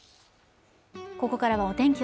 ここからはお天気